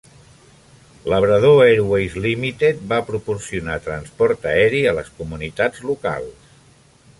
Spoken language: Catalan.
Labrador Airways Limited va proporcionar transport aeri a les comunitats locals.